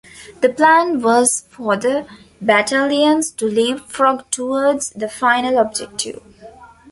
The plan was for the battalions to leap-frog towards the final objective.